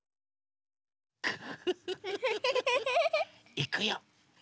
いくよ。